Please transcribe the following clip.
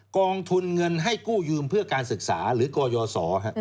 กองทุนเงินให้กู้ยืมเพื่อการศึกษาหรือกยศ